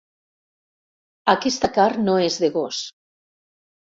Aquesta carn no és de gos.